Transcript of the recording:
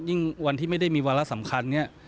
วันที่ไม่ได้มีวาระสำคัญเนี่ย